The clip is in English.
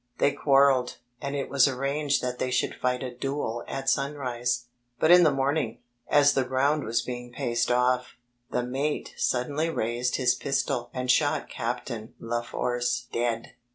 They quarrelled, and it was arranged that they should fight a duel at sunrise. But in the mOming, as the ground was being paced off, the mate suddenly raised his pistol and shot Captain Leforce dead.